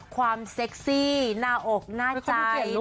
เซ็กซี่หน้าอกหน้าใจ